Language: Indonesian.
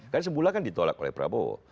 kan sebulan kan ditolak oleh prabowo